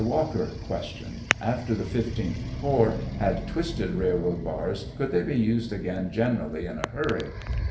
Walker: Q. After the 15th corps had twisted railroad bars, could they be used again generally in a hurry